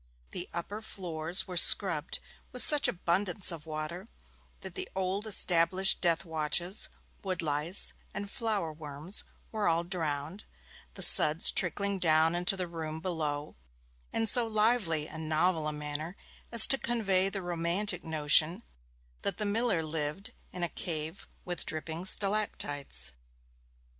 The upper floors were scrubbed with such abundance of water that the old established death watches, wood lice, and flour worms were all drowned, the suds trickling down into the room below in so lively and novel a manner as to convey the romantic notion that the miller lived in a cave with dripping stalactites.